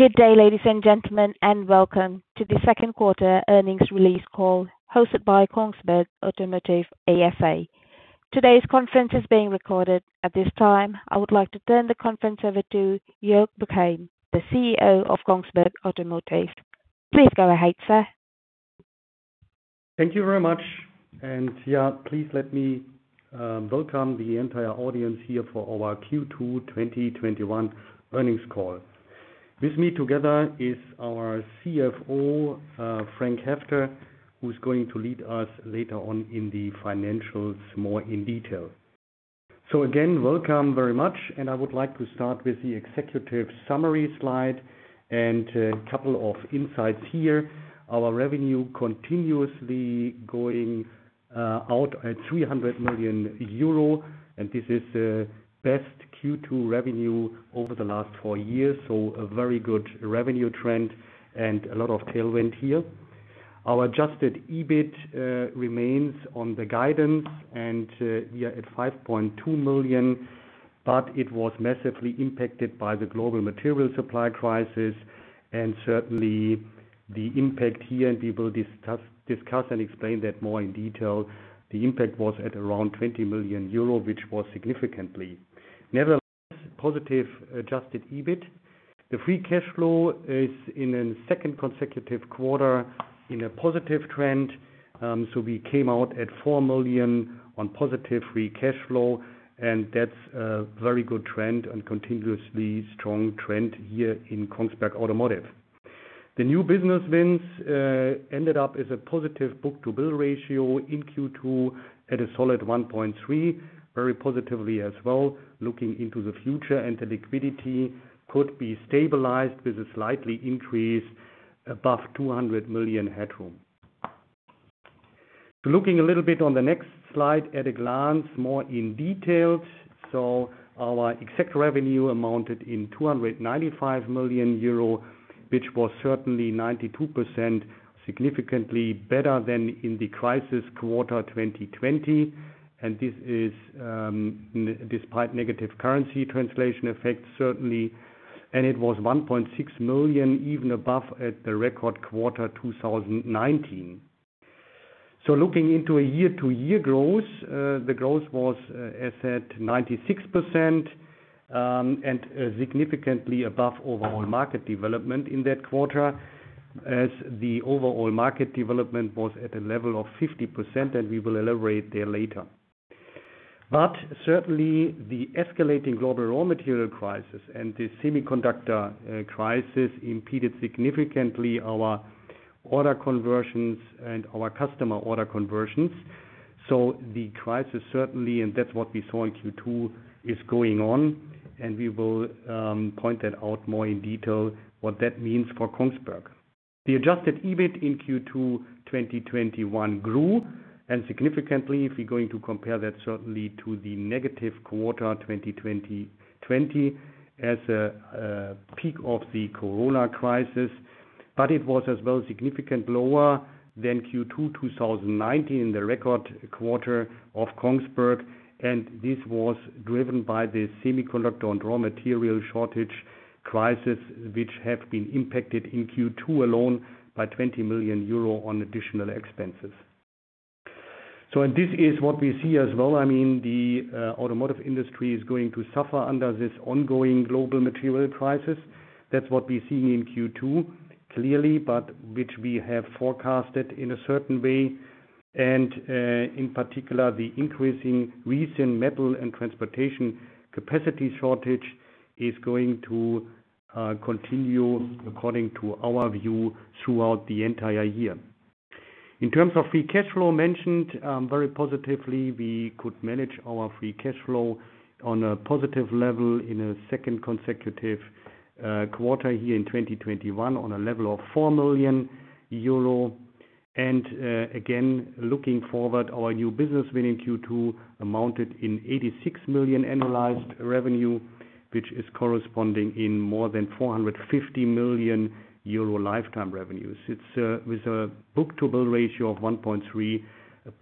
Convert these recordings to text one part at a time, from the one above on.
Good day, ladies and gentlemen, welcome to the second quarter earnings release call hosted by Kongsberg Automotive ASA. Today's conference is being recorded. At this time, I would like to turn the conference over to Joerg Buchheim, the CEO of Kongsberg Automotive. Please go ahead, sir. Thank you very much. Yeah, please let me welcome the entire audience here for our Q2 2021 earnings call. With me together is our CFO, Frank Heffter, who's going to lead us later on in the financials more in detail. Again, welcome very much, and I would like to start with the executive summary slide and a couple of insights here. Our revenue continuously going out at 300 million euro, and this is best Q2 revenue over the last 4 years, so a very good revenue trend and a lot of tailwind here. Our adjusted EBIT remains on the guidance and we are at 5.2 million, but it was massively impacted by the global material supply crisis and certainly the impact here, and we will discuss and explain that more in detail. The impact was at around 20 million euro, which was significantly, nevertheless, positive, adjusted EBIT. The free cash flow is in a second consecutive quarter in a positive trend. We came out at 4 million on positive free cash flow. That's a very good trend and continuously strong trend here in Kongsberg Automotive. The new business wins ended up as a positive book-to-bill ratio in Q2 at a solid 1.3, very positively as well looking into the future. The liquidity could be stabilized with a slightly increase above 200 million headroom. Looking a little bit on the next slide at a glance, more in details. Our exact revenue amounted in €295 million, which was certainly 92% significantly better than in the crisis quarter 2020. This is despite negative currency translation effects, certainly. It was 1.6 million even above at the record quarter 2019. Looking into a year-over-year growth, the growth was set 96%, significantly above overall market development in that quarter, as the overall market development was at a level of 50%, we will elaborate there later. Certainly, the escalating global raw material crisis and the semiconductor crisis impeded significantly our order conversions and our customer order conversions. The crisis, certainly, that's what we saw in Q2, is going on, we will point that out more in detail what that means for Kongsberg. The adjusted EBIT in Q2 2021 grew significantly, if you're going to compare that certainly to the negative quarter 2020 as a peak of the COVID-19 crisis. It was as well significant lower than Q2 2019, the record quarter of Kongsberg, and this was driven by the semiconductor and raw material shortage crisis, which have been impacted in Q2 alone by 20 million euro on additional expenses. This is what we see as well, the automotive industry is going to suffer under this ongoing global material crisis. That's what we're seeing in Q2, clearly, but which we have forecasted in a certain way. In particular, the increasing recent metal and transportation capacity shortage is going to continue, according to our view, throughout the entire year. In terms of free cash flow mentioned, very positively, we could manage our free cash flow on a positive level in a second consecutive quarter here in 2021 on a level of 4 million euro. Looking forward, our new business win in Q2 amounted in 86 million annualized revenue, which is corresponding in more than 450 million euro lifetime revenues. It is with a book-to-bill ratio of 1.3, a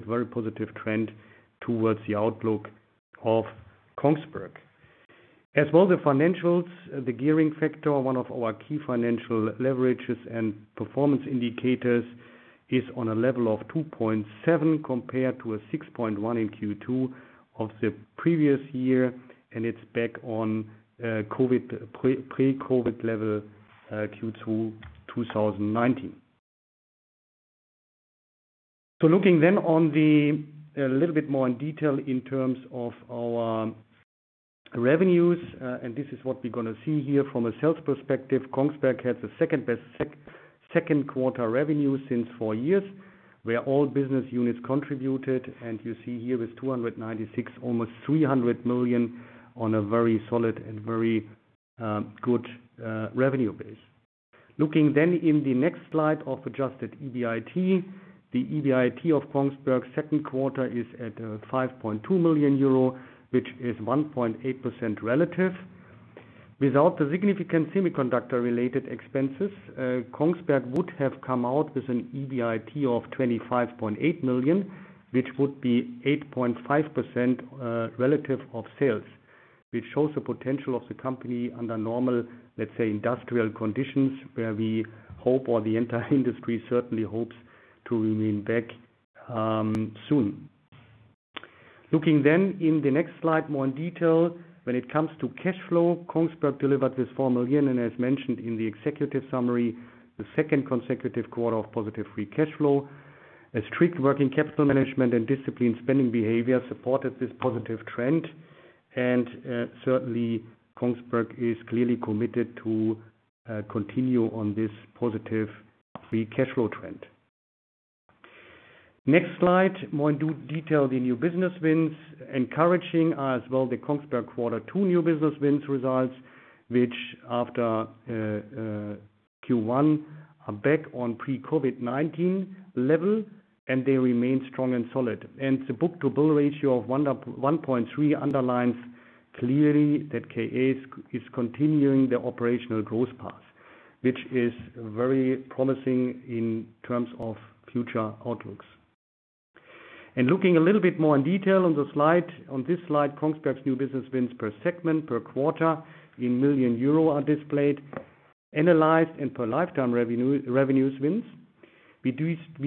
very positive trend towards the outlook of Kongsberg. The financials, the gearing factor, one of our key financial leverages and performance indicators, is on a level of 2.7 compared to a 6.1 in Q2 of the previous year, and it's back on pre-COVID-19 level Q2 2019. Looking then a little bit more in detail in terms of our revenues, and this is what we're going to see here from a sales perspective. Kongsberg had the second best second quarter revenue since four years, where all business units contributed, and you see here with 296 million, almost 300 million on a very solid and very good revenue base. Looking then in the next slide of adjusted EBIT. The EBIT of Kongsberg's second quarter is at 5.2 million euro, which is 1.8% relative. Without the significant semiconductor-related expenses, Kongsberg would have come out with an EBIT of 25.8 million, which would be 8.5% relative of sales. Which shows the potential of the company under normal, let's say, industrial conditions, where we hope, or the entire industry certainly hopes to remain back soon. Looking then in the next slide, more in detail. When it comes to cash flow, Kongsberg delivered this EUR 4 million, and as mentioned in the executive summary, the second consecutive quarter of positive free cash flow. A strict working capital management and disciplined spending behavior supported this positive trend, and certainly Kongsberg is clearly committed to continue on this positive free cash flow trend. Next slide, more into detail, the new business wins. Encouraging as well, the Kongsberg Q2 new business wins results, which after Q1, are back on pre-COVID-19 level. They remain strong and solid. The book-to-bill ratio of 1.3 underlines clearly that KA is continuing their operational growth path, which is very promising in terms of future outlooks. Looking a little bit more in detail on this slide, Kongsberg's new business wins per segment, per quarter, in million euro are displayed, analyzed and per lifetime revenues wins. We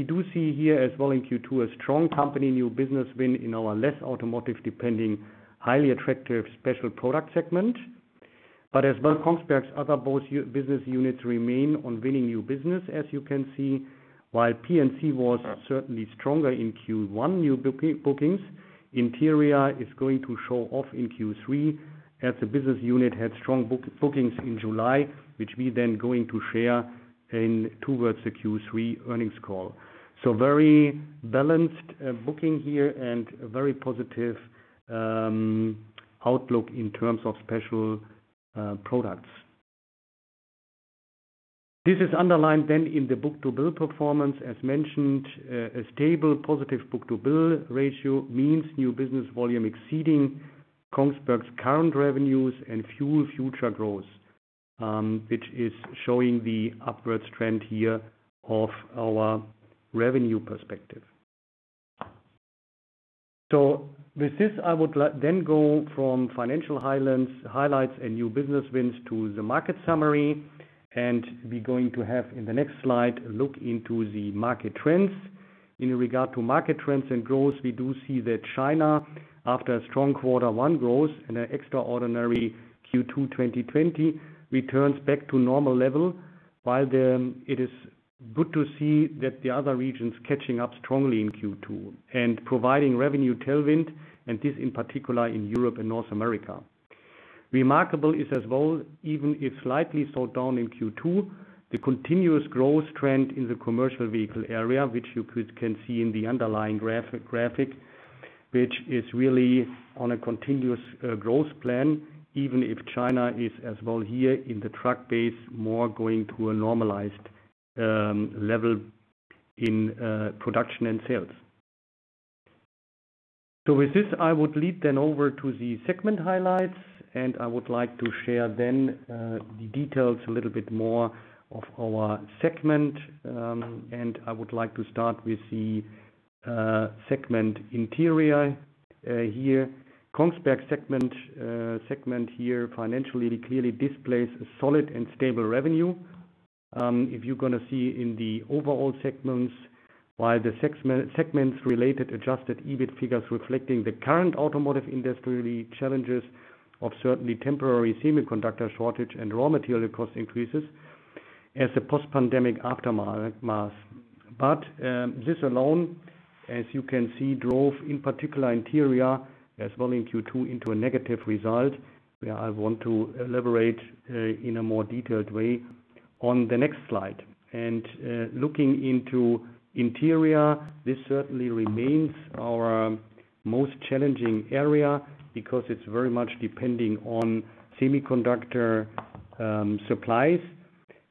do see here as well in Q2, a strong company new business win in our less automotive-depending, highly attractive special product segment. As well, Kongsberg's other both business units remain on winning new business, as you can see. While P&C was certainly stronger in Q1 new bookings, interior is going to show off in Q3 as the business unit had strong bookings in July, which we then going to share towards the Q3 earnings call. Very balanced booking here, and very positive outlook in terms of special products. This is underlined then in the book-to-bill performance. As mentioned, a stable positive book-to-bill ratio means new business volume exceeding Kongsberg's current revenues and fuel future growth, which is showing the upwards trend here of our revenue perspective. With this, I would then go from financial highlights and new business wins to the market summary, and we're going to have in the next slide, a look into the market trends. In regard to market trends and growth, we do see that China, after a strong Q1 growth and an extraordinary Q2 2020, returns back to normal level. While it is good to see that the other regions catching up strongly in Q2 and providing revenue tailwind, and this in particular in Europe and North America. Remarkable is as well, even if slightly slowed down in Q2, the continuous growth trend in the commercial vehicle area, which you can see in the underlying graphic, which is really on a continuous growth plan, even if China is as well here in the truck base, more going to a normalized level in production and sales. With this, I would lead then over to the segment highlights, and I would like to share then the details a little bit more of our segment. I would like to start with the segment Interior here. Kongsberg segment here financially, clearly displays a solid and stable revenue. If you're going to see in the overall segments, while the segments-related adjusted EBIT figures reflecting the current automotive industry challenges of certainly temporary semiconductor shortage and raw material cost increases as a post-pandemic aftermath. This alone, as you can see, drove, in particular Interior, as well in Q2, into a negative result, where I want to elaborate in a more detailed way on the next slide. Looking into Interior, this certainly remains our most challenging area, because it's very much depending on semiconductor supplies.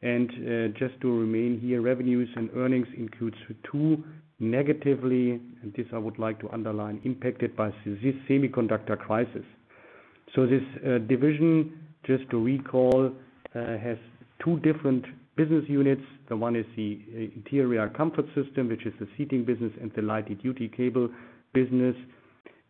Just to remain here, revenues and earnings includes 2 negatively, and this I would like to underline, impacted by this semiconductor crisis. This division, just to recall, has 2 different business units. The one is the Interior Comfort Systems, which is the seating business, and the Light Duty Cables business.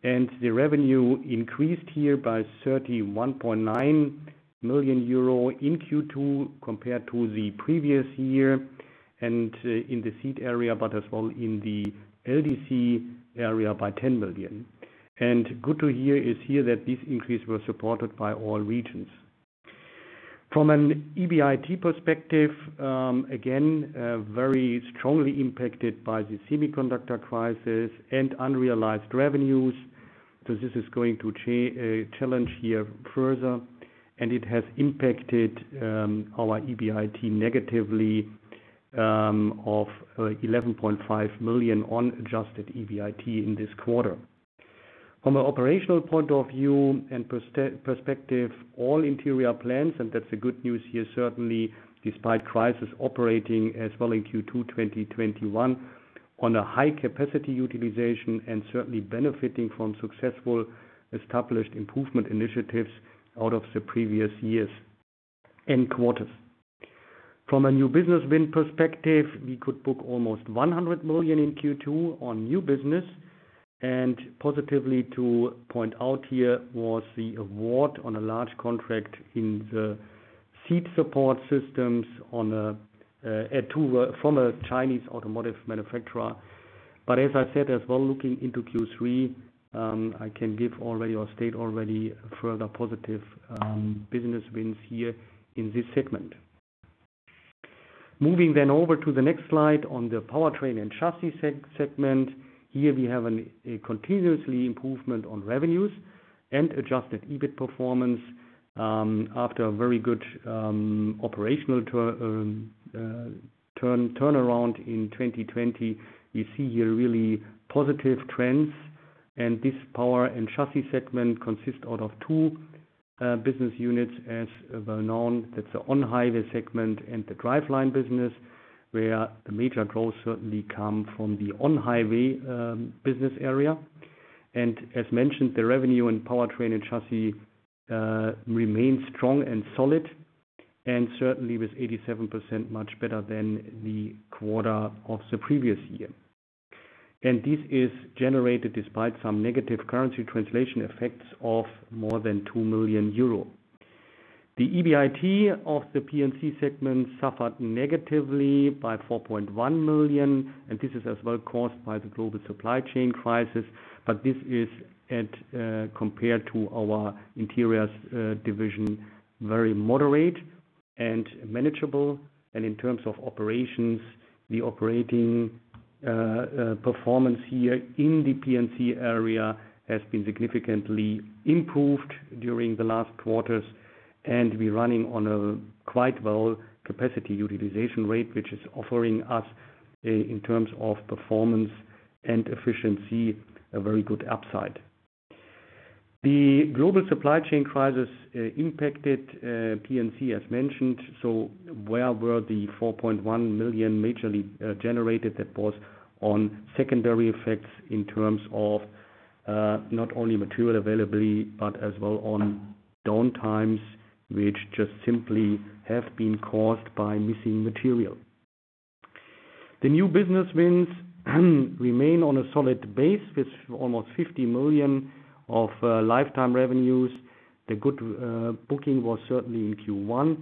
The revenue increased here by 31.9 million euro in Q2 compared to the previous year, and in the seat area, but as well in the LDC area by 10 million. Good to hear is here that this increase was supported by all regions. From an EBIT perspective, again, very strongly impacted by the semiconductor crisis and unrealized revenues. This is going to challenge here further, and it has impacted our EBIT negatively, of 11.5 million on adjusted EBIT in this quarter. From an operational point of view and perspective, all interior plans, and that's the good news here, certainly despite crisis operating as well in Q2 2021, on a high-capacity utilization and certainly benefiting from successful established improvement initiatives out of the previous years and quarters. From a new business win perspective, we could book almost 100 million in Q2 on new business. Positively to point out here was the award on a large contract in the seat support systems from a Chinese automotive manufacturer. As I said, as well, looking into Q3, I can give already or state already further positive business wins here in this segment. Moving over to the next slide on the Powertrain and Chassis Segment. Here we have a continuous improvement on revenues and adjusted EBIT performance after a very good operational turnaround in 2020. You see here really positive trends, this Powertrain and Chassis Segment consists out of 2 business units as well known. That's the On-Highway Segment and the Driveline Business, where the major growth certainly come from the On-Highway Business Area. As mentioned, the revenue and Powertrain and Chassis remains strong and solid and certainly with 87% much better than the quarter of the previous year. This is generated despite some negative currency translation effects of more than 2 million euro. The EBIT of the P&C segment suffered negatively by 4.1 million, this is as well caused by the global supply chain crisis. This is at, compared to our Interiors division, very moderate and manageable. In terms of operations, the operating performance here in the P&C area has been significantly improved during the last quarters. We're running on a quite well capacity utilization rate, which is offering us, in terms of performance and efficiency, a very good upside. The global supply chain crisis impacted P&C as mentioned. Where were the 4.1 million majorly generated? That was on secondary effects in terms of not only material availability, but as well on down times, which just simply have been caused by missing material. The new business wins remain on a solid base with almost 50 million of lifetime revenues. The good booking was certainly in Q1.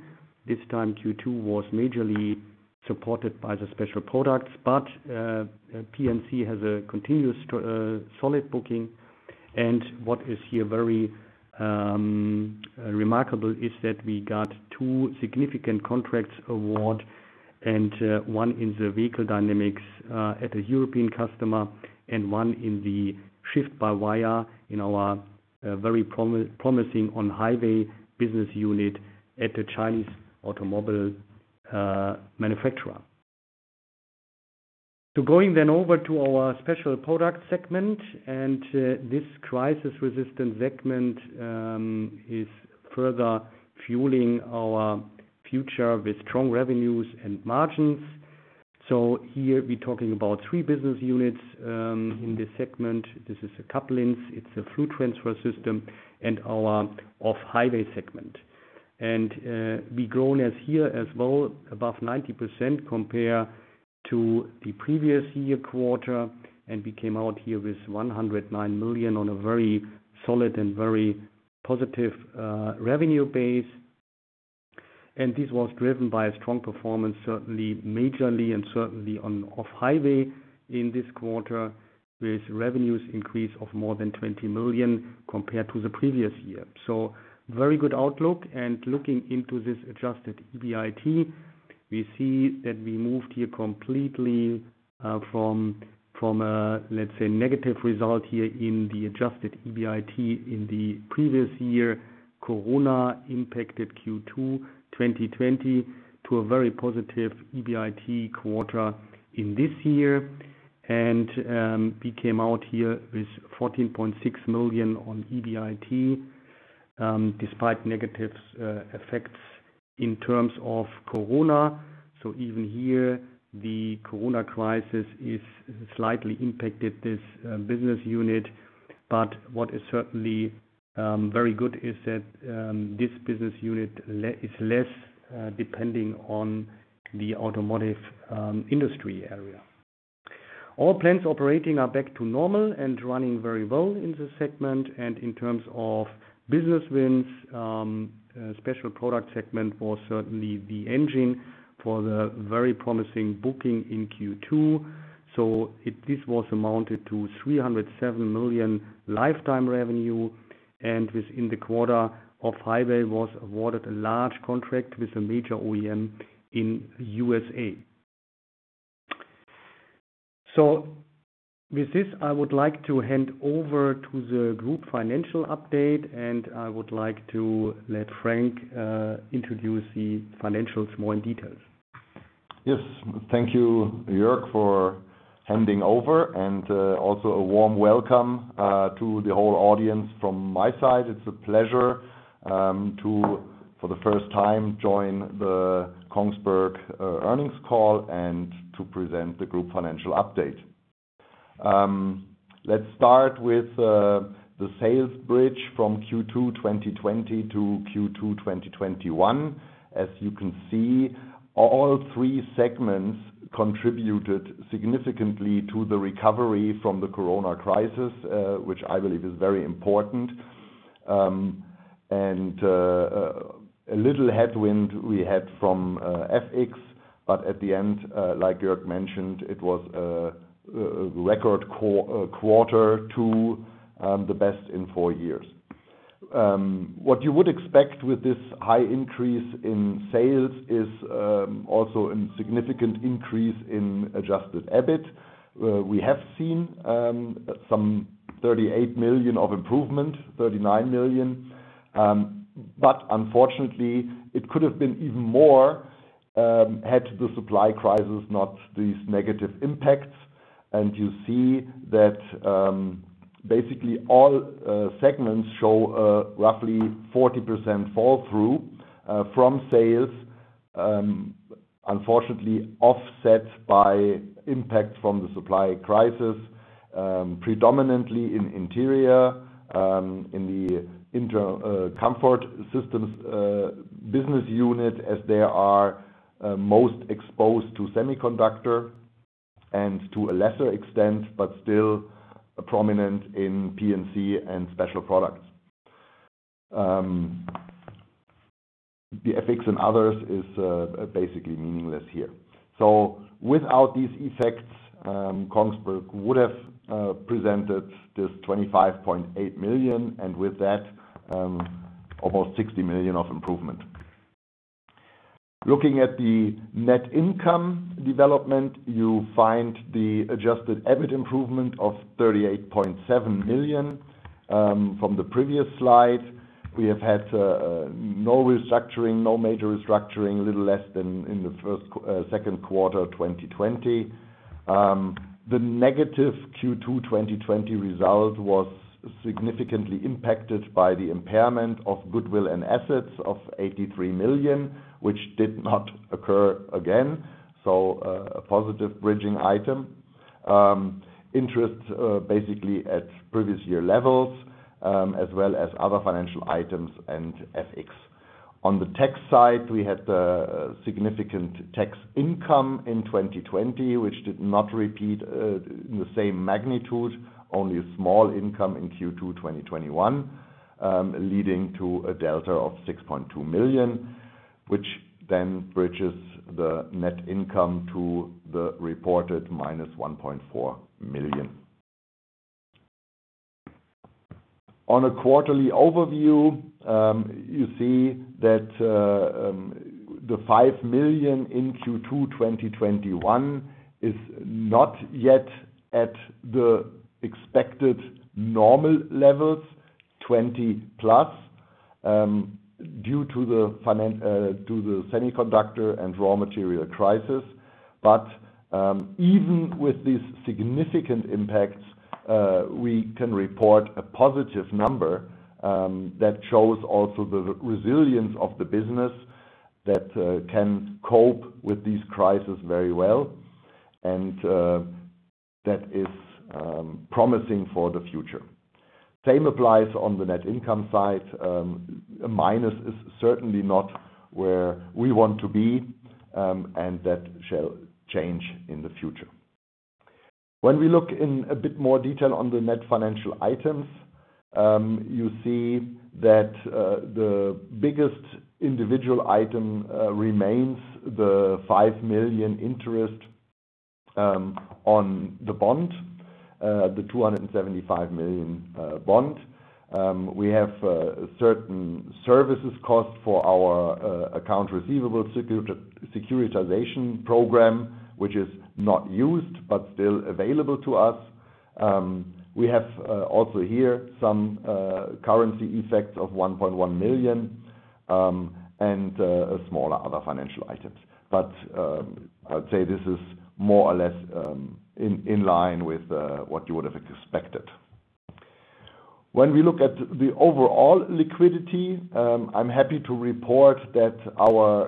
This time Q2 was majorly supported by the special products, but P&C has a continuous solid booking. What is here very remarkable is that we got 2 significant contracts award, one in the Vehicle Dynamics at a European customer and one in the Shift-by-wire in our very promising On-Highway business unit at a Chinese automobile manufacturer. Going then over to our special product segment and this crisis-resistant segment is further fueling our future with strong revenues and margins. Here we're talking about 3 business units in this segment. This is Couplings, it's a Fluid Transfer System, and our Off-Highway segment. We grown as here as well above 90% compare to the previous year quarter. We came out here with 109 million on a very solid and very positive revenue base. This was driven by a strong performance, certainly majorly and certainly on Off-Highway in this quarter, with revenues increase of more than 20 million compared to the previous year. Very good outlook. Looking into this adjusted EBIT, we see that we moved here completely from a, let's say, negative result here in the adjusted EBIT in the previous year, COVID impacted Q2 2020, to a very positive EBIT quarter in this year. We came out here with 14.6 million on EBIT despite negative effects in terms of COVID. Even here, the COVID crisis is slightly impacted this business unit. What is certainly very good is that this business unit is less depending on the automotive industry area. All plants operating are back to normal and running very well in the segment. In terms of business wins, special product segment was certainly the engine for the very promising booking in Q2. This was amounted to 307 million lifetime revenue and within the quarter Off-Highway was awarded a large contract with a major OEM in the U.S. With this, I would like to hand over to the group financial update, and I would like to let Frank introduce the financials more in details. Yes. Thank you, Joerg, for handing over and also a warm welcome to the whole audience from my side. It's a pleasure to, for the first time, join the Kongsberg earnings call and to present the group financial update. Let's start with the sales bridge from Q2 2020 to Q2 2021. As you can see, all 3 segments contributed significantly to the recovery from the COVID-19 crisis, which I believe is very important. A little headwind we had from FX, but at the end, like Joerg mentioned, it was a record quarter to the best in 4 years. What you would expect with this high increase in sales is also a significant increase in adjusted EBIT. We have seen some 38 million of improvement, 39 million. Unfortunately, it could have been even more had the supply crisis not these negative impacts. You see that basically all segments show a roughly 40% fall through from sales, unfortunately offset by impacts from the supply crisis, predominantly in interior, in the Interior Comfort Systems business unit as they are most exposed to semiconductor and to a lesser extent, but still prominent in P&C and special products. The effects in others is basically meaningless here. Without these effects, Kongsberg would have presented this 25.8 million and with that, almost 60 million of improvement. Looking at the net income development, you find the adjusted EBIT improvement of 38.7 million. From the previous slide, we have had no restructuring, no major restructuring, little less than in the second quarter 2020. The negative Q2 2020 result was significantly impacted by the impairment of goodwill and assets of 83 million, which did not occur again. A positive bridging item. Interest basically at previous year levels, as well as other financial items and FX. On the tax side, we had a significant tax income in 2020, which did not repeat in the same magnitude, only a small income in Q2 2021, leading to a delta of 6.2 million, which then bridges the net income to the reported -1.4 million. On a quarterly overview, you see that the 5 million in Q2 2021 is not yet at the expected normal levels, 20+, due to the semiconductor and raw material crisis. Even with these significant impacts, we can report a positive number that shows also the resilience of the business that can cope with this crisis very well and that is promising for the future. Same applies on the net income side. A minus is certainly not where we want to be, and that shall change in the future. When we look in a bit more detail on the net financial items, you see that the biggest individual item remains the 5 million interest on the bond, the 275 million bond. We have certain services cost for our accounts receivable securitization program, which is not used but still available to us. We have also here some currency effects of 1.1 million, and smaller other financial items. I would say this is more or less in line with what you would have expected. When we look at the overall liquidity, I'm happy to report that our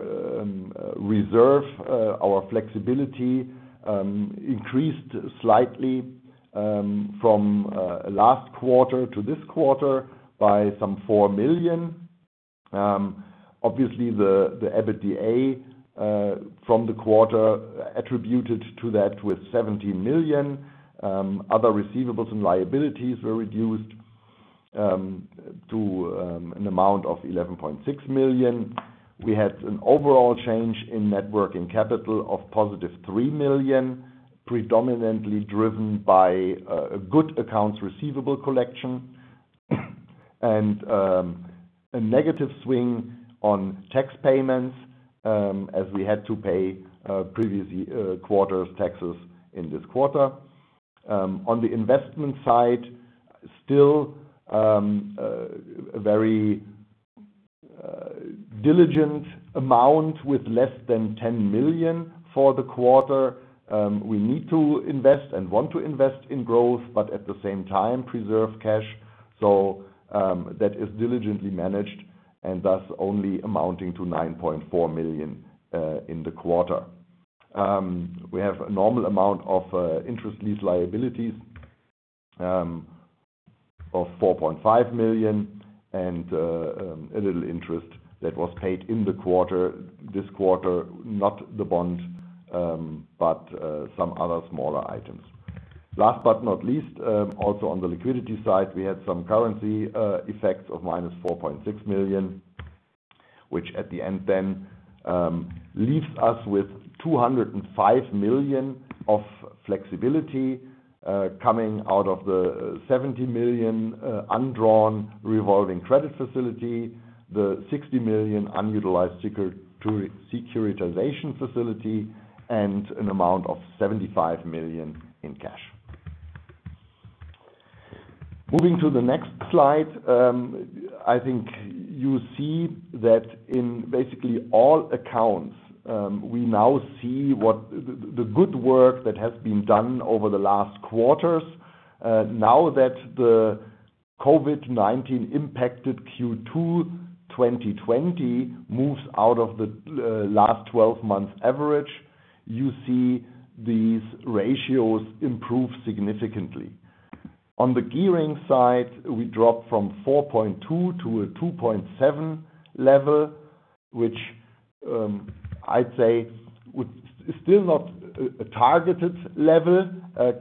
reserve, our flexibility increased slightly from last quarter to this quarter by some 4 million. Obviously, the EBITDA from the quarter attributed to that was 17 million. Other receivables and liabilities were reduced to an amount of 11.6 million. We had an overall change in net working capital of positive 3 million, predominantly driven by a good accounts receivable collection and a negative swing on tax payments, as we had to pay previous quarter taxes in this quarter. On the investment side, still a very diligent amount with less than 10 million for the quarter. We need to invest and want to invest in growth, but at the same time preserve cash. That is diligently managed and thus only amounting to 9.4 million in the quarter. We have a normal amount of interest lease liabilities of 4.5 million and a little interest that was paid in the quarter, this quarter, not the bond, but some other smaller items. Last but not least, also on the liquidity side, we had some currency effects of minus 4.6 million, which at the end then leaves us with 205 million of flexibility coming out of the 70 million undrawn revolving credit facility, the 60 million unutilized securitization facility, and an amount of 75 million in cash. Moving to the next slide. I think you see that in basically all accounts, we now see what the good work that has been done over the last quarters. Now that the COVID-19 impacted Q2 2020 moves out of the last 12 months average, you see these ratios improve significantly. On the gearing side, we dropped from 4.2 to a 2.7 level, which I'd say would still not a targeted level,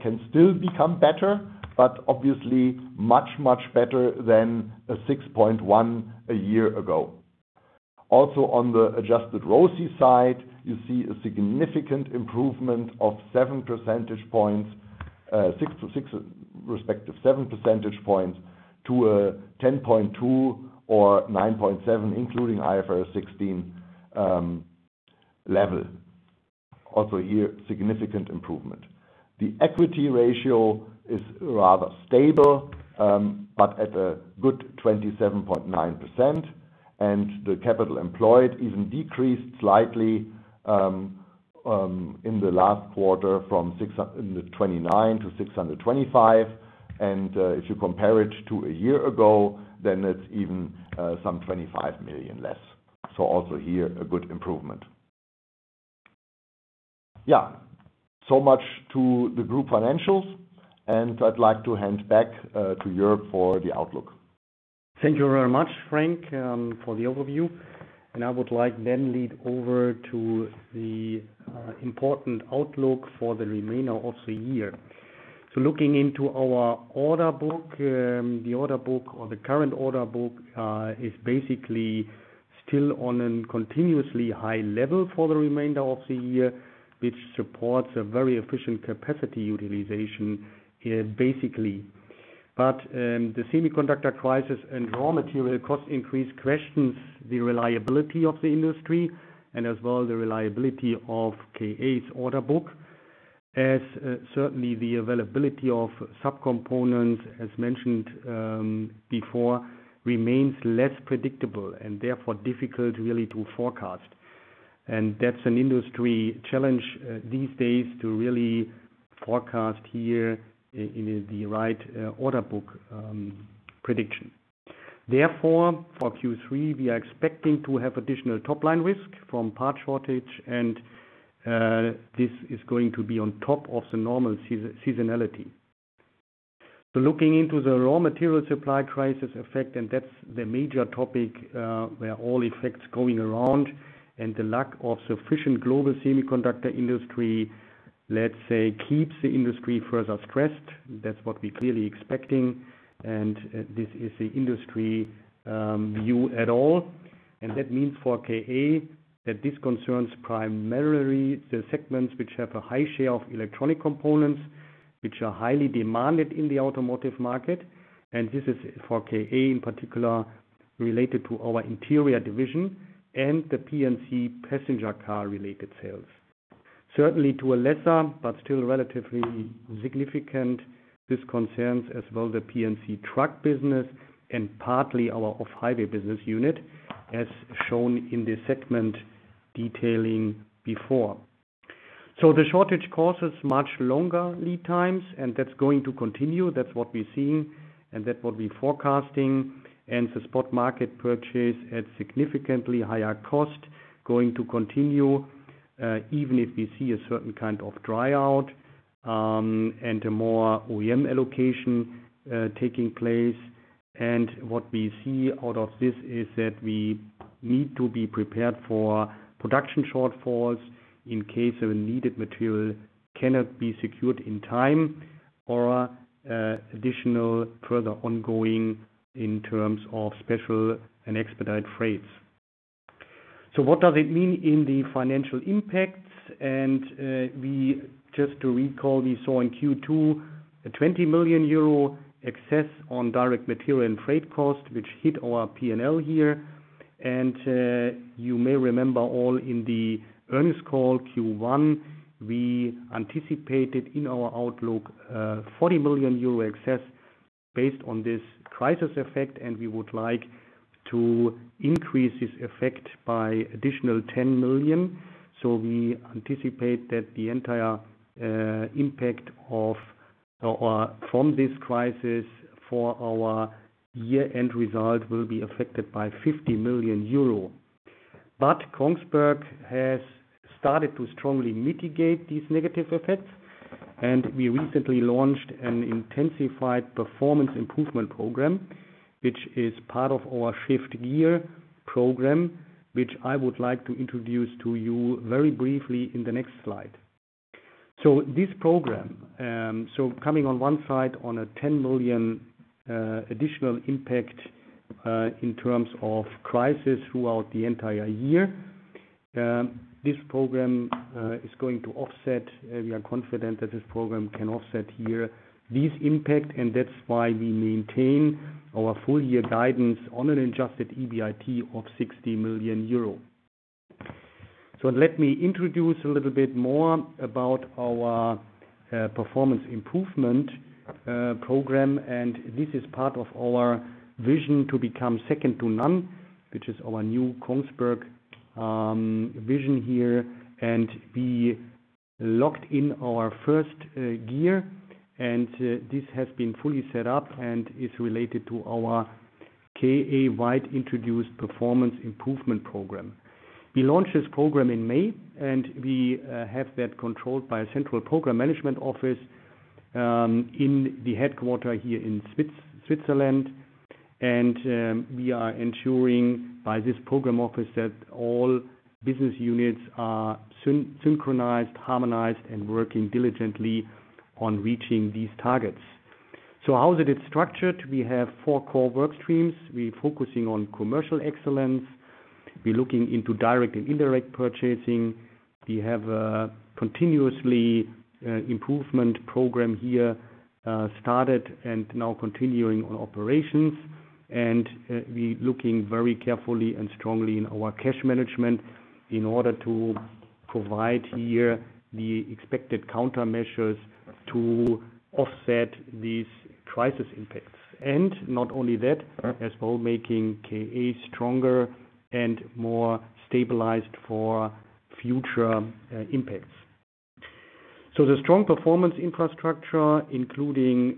can still become better, but obviously much, much better than a 6.1 a year ago. On the adjusted ROCE side, you see a significant improvement of 7 percentage points, 6 respective 7 percentage points to a 10.2 or 9.7, including IFRS 16 level. Here, significant improvement. The equity ratio is rather stable, but at a good 27.9%, and the capital employed even decreased slightly, in the last quarter from 629 to 625. If you compare it to a year ago, then it's even some 25 million less. Also here, a good improvement. Yeah. Much to the group financials, and I'd like to hand back to Joerg for the outlook. Thank you very much, Frank, for the overview. I would like then lead over to the important outlook for the remainder of the year. Looking into our order book, the order book or the current order book, is basically still on a continuously high level for the remainder of the year, which supports a very efficient capacity utilization here basically. The semiconductor crisis and raw material cost increase questions the reliability of the industry and as well the reliability of KA's order book as, certainly, the availability of subcomponents, as mentioned before, remains less predictable and therefore difficult really to forecast. That's an industry challenge these days to really forecast here in the right order book prediction. Therefore, for Q3, we are expecting to have additional top-line risk from part shortage and, this is going to be on top of the normal seasonality. Looking into the raw material supply crisis effect, and that's the major topic, where all effects going around and the lack of sufficient global semiconductor industry, let's say, keeps the industry further stressed. That's what we're clearly expecting, and this is the industry view at all. That means for KA that this concerns primarily the segments which have a high share of electronic components, which are highly demanded in the automotive market. This is for KA in particular related to our interior division and the P&C passenger car-related sales. Certainly to a lesser, but still relatively significant, this concerns as well the P&C truck business and partly our Off-Highway business unit, as shown in the segment detailing before. The shortage causes much longer lead times, and that's going to continue. That's what we're seeing and that's what we're forecasting. The spot market purchase at significantly higher cost going to continue, even if we see a certain kind of dry out, and a more OEM allocation taking place. What we see out of this is that we need to be prepared for production shortfalls in case a needed material cannot be secured in time or additional further ongoing in terms of special and expedite freights. What does it mean in the financial impacts? Just to recall, we saw in Q2 a 20 million euro excess on direct material and freight cost, which hit our P&L here. You may remember all in the earnings call Q1, we anticipated in our outlook 40 million euro excess based on this crisis effect, and we would like to increase this effect by additional 10 million. We anticipate that the entire impact from this crisis for our year-end result will be affected by 50 million euro. Kongsberg has started to strongly mitigate these negative effects, and we recently launched an intensified performance improvement program, which is part of our Shift Gear program, which I would like to introduce to you very briefly in the next slide. Coming on one side on a 10 million additional impact, in terms of crisis throughout the entire year, we are confident that this program can offset here this impact, and that's why we maintain our full year guidance on an adjusted EBIT of 60 million euro. Let me introduce a little bit more about our performance improvement program. This is part of our vision to become Second to None, which is our new Kongsberg vision here. We locked in our First Gear. This has been fully set up and is related to our KA-wide introduced performance improvement program. We launched this program in May. We have that controlled by a central program management office, in the headquarters here in Switzerland. We are ensuring by this program office that all business units are synchronized, harmonized, and working diligently on reaching these targets. How is it structured? We have four core work streams. We're focusing on commercial excellence. We're looking into direct and indirect purchasing. We have a continuous improvement program here, started and now continuing on operations. We looking very carefully and strongly in our cash management in order to provide here the expected countermeasures to offset these crisis impacts. Not only that, as well making KA stronger and more stabilized for future impacts. The strong performance infrastructure, including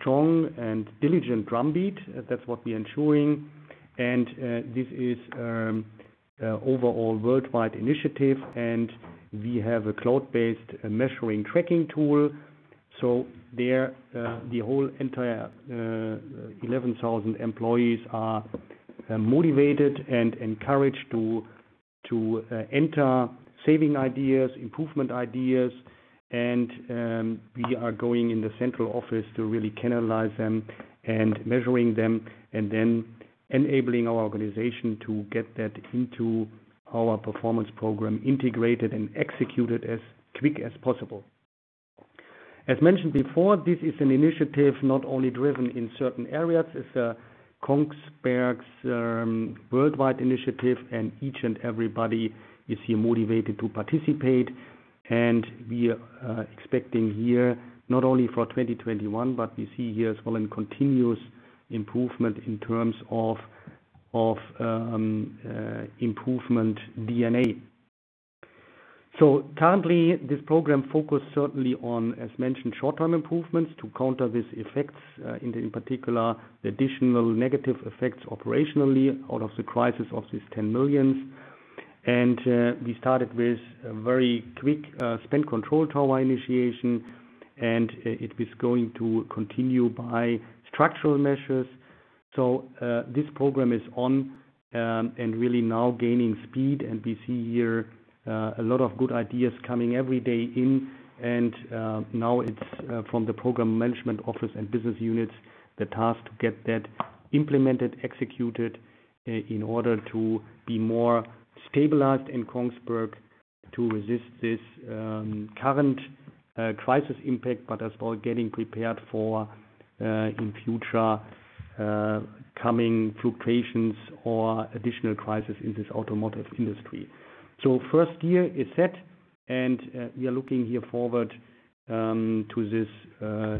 strong and diligent drumbeat, that's what we ensuring and this is overall worldwide initiative, and we have a cloud-based measuring tracking tool. There, the whole entire 11,000 employees are motivated and encouraged to enter saving ideas, improvement ideas, and we are going in the central office to really catalyze them and measuring them and then enabling our organization to get that into our performance program, integrated and executed as quick as possible. As mentioned before, this is an initiative not only driven in certain areas, it's a Kongsberg's worldwide initiative, and each and everybody is here motivated to participate. We are expecting here, not only for 2021, but we see here as well in continuous improvement in terms of improvement DNA. Currently, this program focus certainly on, as mentioned, short-term improvements to counter these effects, in particular, the additional negative effects operationally out of the crisis of this 10 million. We started with a very quick spend control tower initiation, and it is going to continue by structural measures. This program is on, and really now gaining speed, and we see here a lot of good ideas coming every day in. Now it's from the program management office and business units, the task to get that implemented, executed in order to be more stabilized in Kongsberg to resist this current crisis impact, but as well getting prepared for, in future, coming fluctuations or additional crisis in this automotive industry. First gear is set, and we are looking forward to this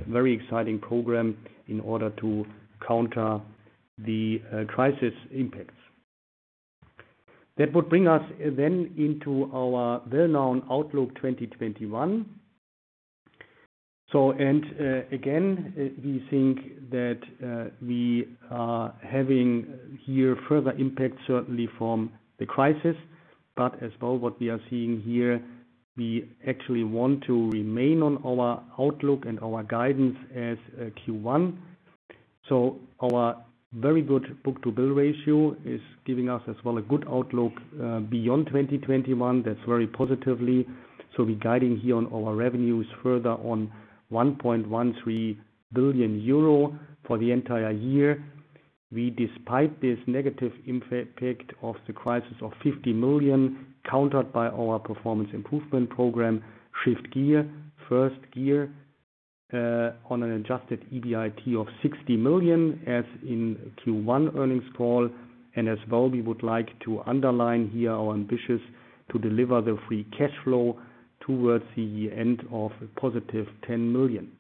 very exciting program in order to counter the crisis impacts. That would bring us then into our well-known Outlook 2021. Again, we think that we are having further impact certainly from the crisis, but as well what we are seeing, we actually want to remain on our outlook and our guidance as Q1. Our very good book-to-bill ratio is giving us as well a good outlook, beyond 2021. That's very positively. We're guiding on our revenues further on 1.13 billion euro for the entire year. We despite this negative impact of the crisis of 50 million, countered by our performance improvement program, Shift Gear, first gear, on an adjusted EBIT of 60 million as in Q1 earnings call. As well, we would like to underline here our ambitious to deliver the free cash flow towards the end of positive 10 million.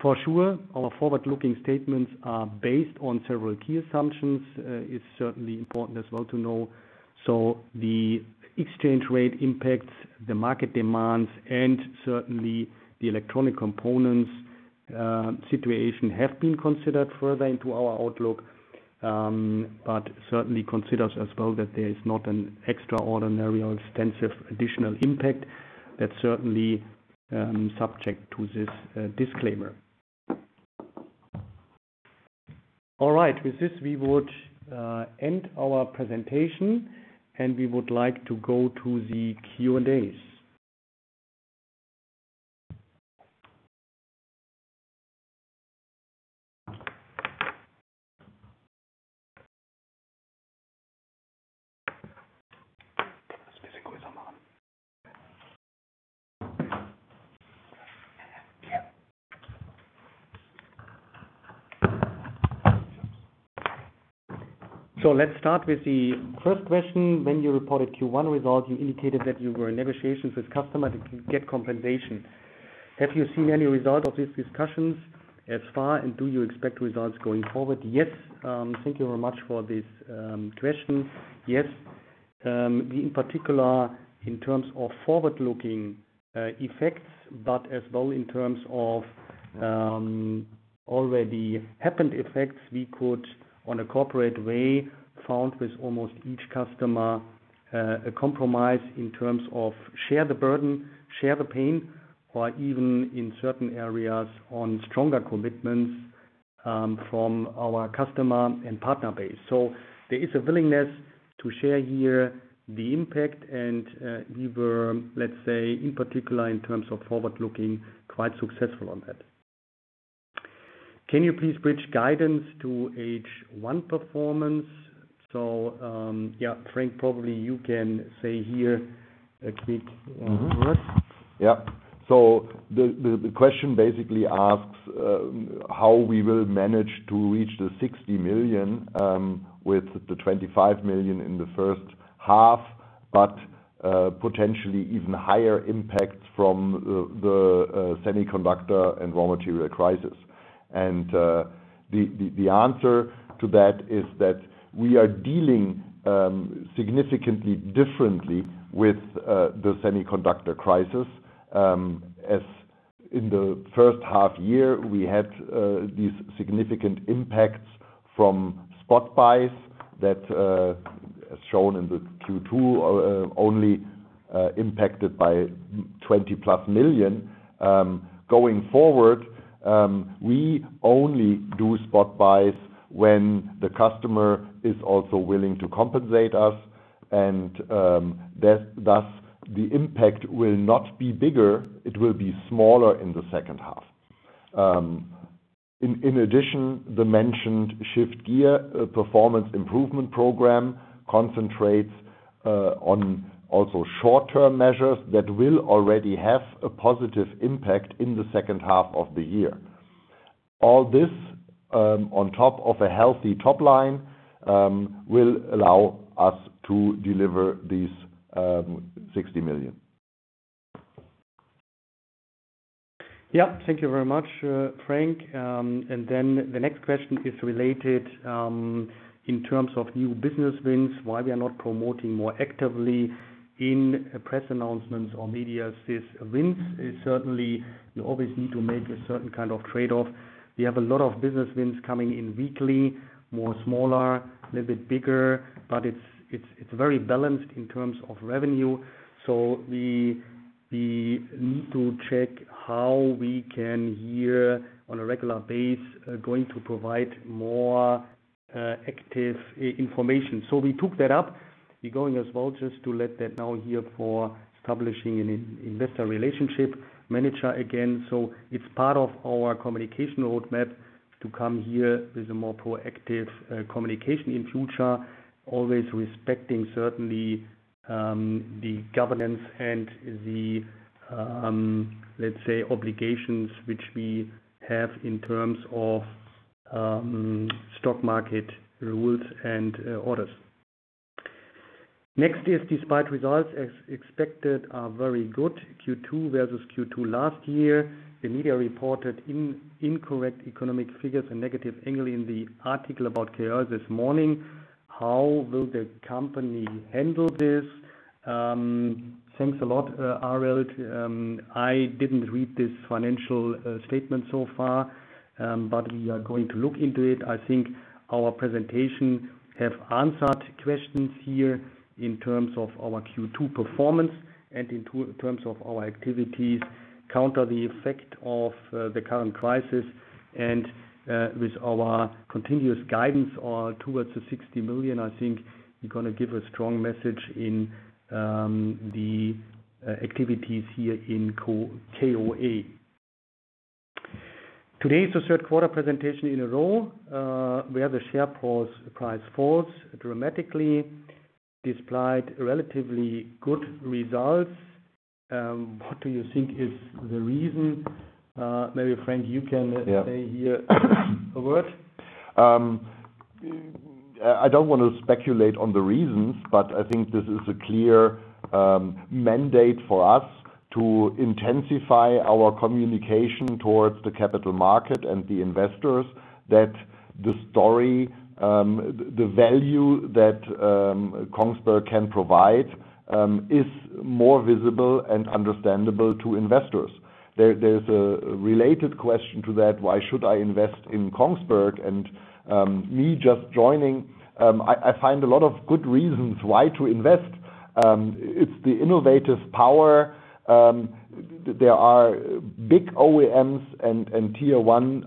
For sure, our forward-looking statements are based on several key assumptions. It's certainly important as well to know. The exchange rate impacts the market demands, and certainly the electronic components situation have been considered further into our outlook. Certainly considers as well that there is not an extraordinary or extensive additional impact that's certainly subject to this disclaimer. All right. With this, we would end our presentation and we would like to go to the Q&As. Let's start with the first question. When you reported Q1 results, you indicated that you were in negotiations with customers to get compensation. Have you seen any result of these discussions thus far, and do you expect results going forward? Yes. Thank you very much for this question. Yes. In particular, in terms of forward-looking effects, but as well in terms of already happened effects, we could, on a corporate way, found with almost each customer, a compromise in terms of share the burden, share the pain, or even in certain areas on stronger commitments from our customer and partner base. There is a willingness to share here the impact, and we were, let's say, in particular in terms of forward-looking, quite successful on that. Can you please bridge guidance to H1 performance? Yeah, Frank, probably you can say here a quick word. The question basically asks how we will manage to reach the 60 million, with the 25 million in the first half, but potentially even higher impacts from the semiconductor and raw material crisis. The answer to that is that we are dealing significantly differently with the semiconductor crisis. As in the first half year, we had these significant impacts from spot buys that, as shown in the Q2, only impacted by 20-plus million. Going forward, we only do spot buys when the customer is also willing to compensate us, and thus the impact will not be bigger. It will be smaller in the second half. In addition, the mentioned Shift Gear performance improvement program concentrates on also short-term measures that will already have a positive impact in the second half of the year. All this, on top of a healthy top line, will allow us to deliver these EUR 60 million. Thank you very much, Frank. The next question is related in terms of new business wins, why we are not promoting more actively in press announcements or media. This wins is certainly, you always need to make a certain kind of trade-off. We have a lot of business wins coming in weekly, more smaller, a little bit bigger, but it's very balanced in terms of revenue. We need to check how we can here on a regular basis, going to provide more active information. We took that up. We're going as well just to let that now here for establishing an investor relationship manager again. It's part of our communication roadmap to come here with a more proactive communication in future, always respecting certainly the governance and the, let's say, obligations which we have in terms of stock market rules and orders. Next is despite results as expected are very good, Q2 versus Q2 last year, the media reported incorrect economic figures and negative angle in the article about KOA this morning. How will the company handle this? Thanks a lot, Ariel. I didn't read this financial statement so far, but we are going to look into it. I think our presentation have answered questions here in terms of our Q2 performance and in terms of our activities counter the effect of the current crisis. With our continuous guidance towards the 60 million, I think we're going to give a strong message in the activities here in KOA. Today is the third quarter presentation in a row, where the share price falls dramatically, despite relatively good results. What do you think is the reason? Maybe, Frank, you can say here a word. I don't want to speculate on the reasons, but I think this is a clear mandate for us to intensify our communication towards the capital market and the investors that the story, the value that Kongsberg can provide, is more visible and understandable to investors. There's a related question to that, why should I invest in Kongsberg? Me just joining, I find a lot of good reasons why to invest. It's the innovative power. There are big OEMs and tier one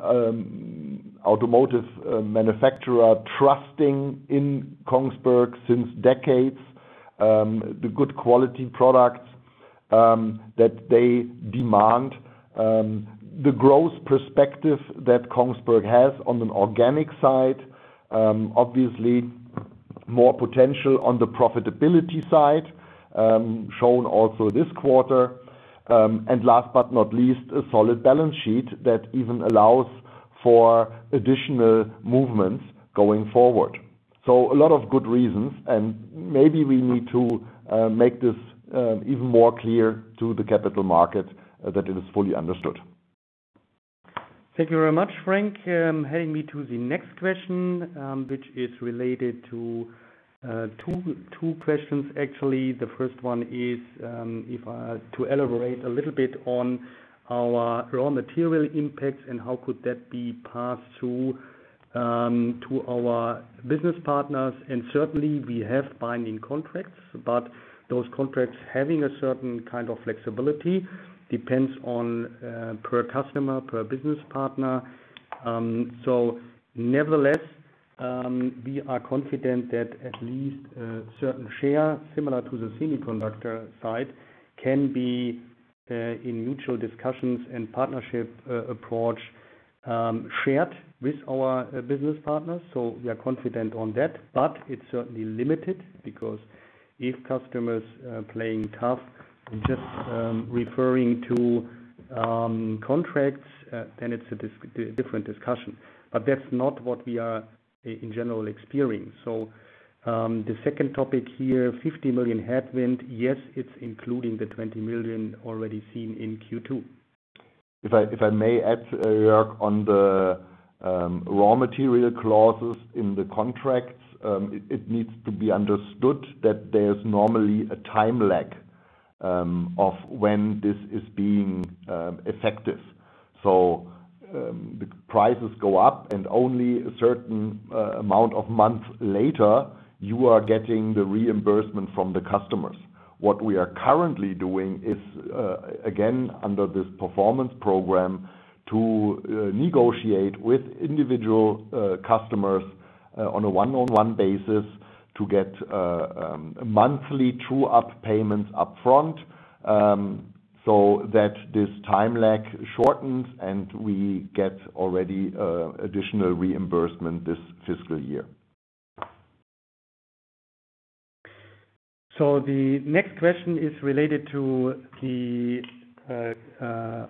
automotive manufacturer trusting in Kongsberg since decades, the good quality products that they demand. The growth perspective that Kongsberg has on an organic side. Obviously more potential on the profitability side, shown also this quarter. Last but not least, a solid balance sheet that even allows for additional movements going forward. A lot of good reasons, and maybe we need to make this even more clear to the capital market that it is fully understood. Thank you very much, Frank. Heading me to the next question, which is related to two questions, actually. The first one is to elaborate a little bit on our raw material impacts and how could that be passed through to our business partners. Certainly we have binding contracts, but those contracts having a certain kind of flexibility depends on per customer, per business partner. Nevertheless, we are confident that at least a certain share, similar to the semiconductor side, can be in mutual discussions and partnership approach, shared with our business partners. We are confident on that. It's certainly limited because if customers are playing tough and just referring to contracts, then it's a different discussion. That's not what we are in general experiencing. The second topic here, 50 million headwind. Yes, it's including the 20 million already seen in Q2. If I may add, Joerg, on the raw material clauses in the contracts. It needs to be understood that there's normally a time lag of when this is being effective. The prices go up and only a certain amount of months later, you are getting the reimbursement from the customers. What we are currently doing is, again, under this performance program, to negotiate with individual customers, on a one-on-one basis, to get monthly true-up payments upfront, so that this time lag shortens and we get already additional reimbursement this fiscal year. The next question is related to the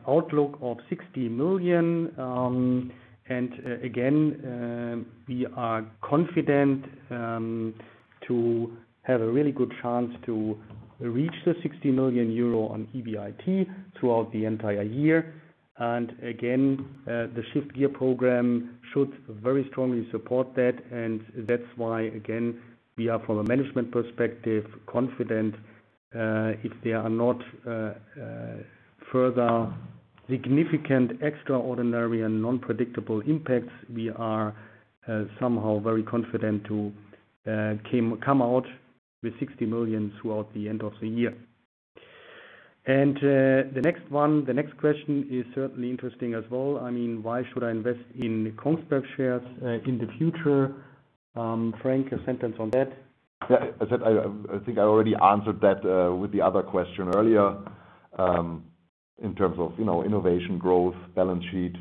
outlook of 60 million. Again, we are confident to have a really good chance to reach the 60 million euro on EBIT throughout the entire year. Again, the Shift Gear program should very strongly support that. That's why, again, we are, from a management perspective, confident. If there are not further significant, extraordinary and non-predictable impacts, we are somehow very confident to come out with 60 million throughout the end of the year. The next question is certainly interesting as well. Why should I invest in Kongsberg shares in the future? Frank, a sentence on that. Yeah. I said I think I already answered that with the other question earlier, in terms of innovation, growth, balance sheet,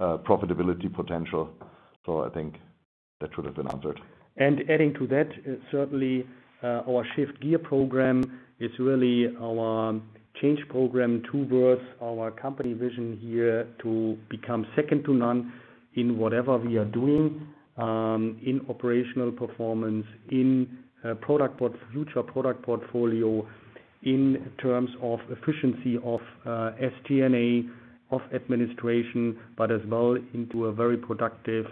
profitability potential. I think that should have been answered. Adding to that, certainly, our Shift Gear program is really our change program towards our company vision here to become second to none in whatever we are doing, in operational performance, in future product portfolio, in terms of efficiency of SG&A, of administration, but as well into a very productive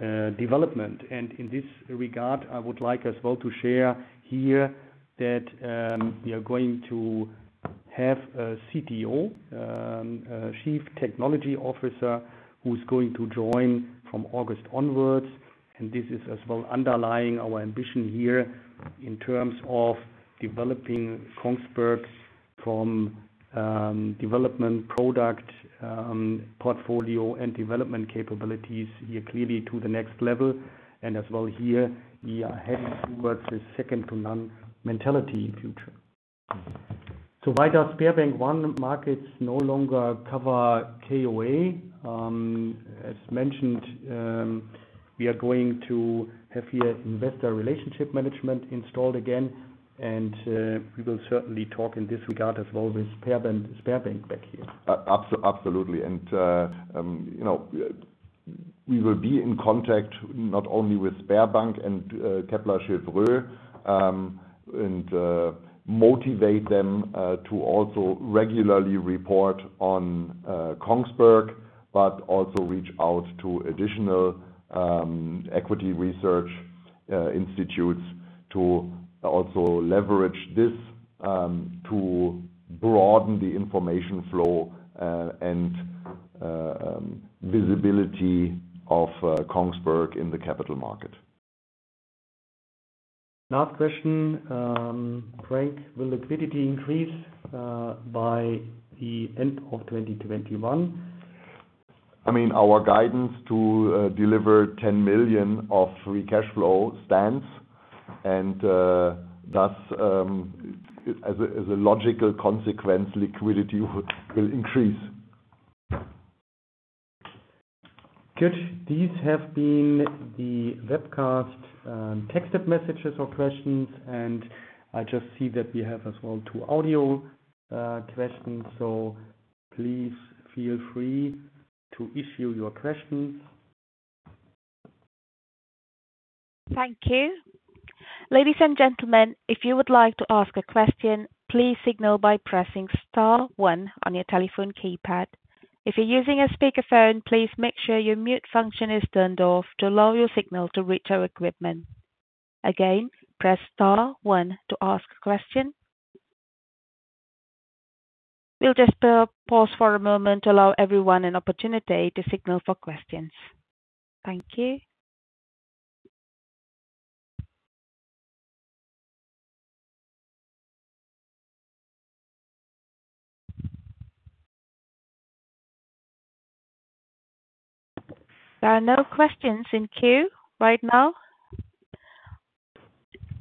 development. In this regard, I would like as well to share here that we are going to have a CTO, Chief Technology Officer, who is going to join from August onwards. This is as well underlying our ambition here in terms of developing Kongsberg from development product portfolio and development capabilities here clearly to the next level. As well here, we are heading towards the second to none mentality in future. Why does SpareBank 1 markets no longer cover KOA? As mentioned, we are going to have here investor relationship management installed again. We will certainly talk in this regard as well with SpareBank 1 back here. Absolutely. We will be in contact not only with SpareBank 1 and Kepler Cheuvreux, and motivate them to also regularly report on Kongsberg, but also reach out to additional equity research institutes to also leverage this to broaden the information flow and visibility of Kongsberg in the capital market. Last question. Frank, will liquidity increase by the end of 2021? Our guidance to deliver 10 million of free cash flow stands, and thus, as a logical consequence, liquidity will increase. Good. These have been the webcast texted messages or questions, and I just see that we have as well two audio questions. Please feel free to issue your questions. Thank you. Ladies and gentlemen, if you would like to ask a question, please signal by pressing star one on your telephone keypad. If you're using a speakerphone, please make sure your mute function is turned off to allow your signal to reach our equipment. Again, press star one to ask a question. We'll just pause for a moment to allow everyone an opportunity to signal for questions. Thank you. There are no questions in queue right now.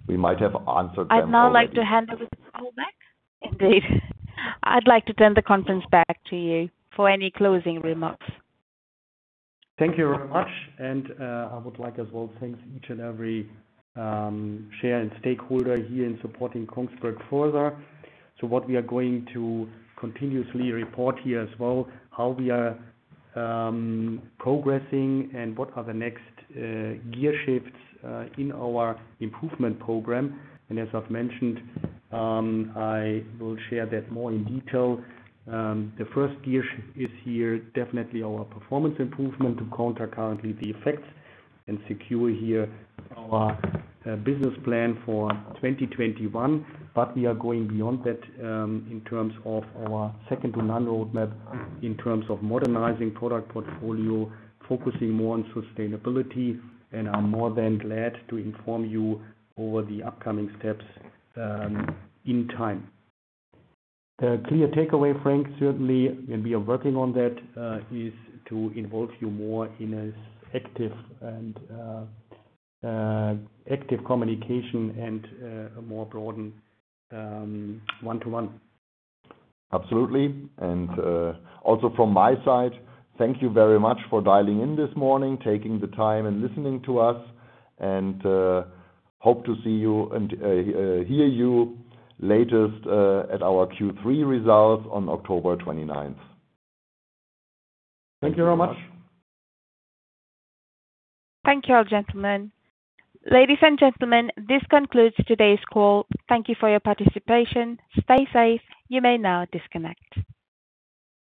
We might have answered them already. I'd now like to hand over to you, Ole. Indeed. I'd like to turn the conference back to you for any closing remarks. Thank you very much, and I would like as well thank each and every shareholder and stakeholder here in supporting Kongsberg further. What we are going to continuously report here as well, how we are progressing and what are the next gear shifts in our improvement program. As I've mentioned, I will share that more in detail. The first gear shift is here, definitely our performance improvement to counter currently the effects and secure here our business plan for 2021. We are going beyond that in terms of our Second to None roadmap, in terms of modernizing product portfolio, focusing more on sustainability, and I'm more than glad to inform you over the upcoming steps in time. The clear takeaway, Frank, certainly, and we are working on that, is to involve you more in an active communication and a more broadened one-to-one. Absolutely. Also from my side, thank you very much for dialing in this morning, taking the time and listening to us, and hope to see you and hear you latest at our Q3 results on October 29th. Thank you very much. Thank you, gentlemen. Ladies and gentlemen, this concludes today's call. Thank you for your participation. Stay safe. You may now disconnect.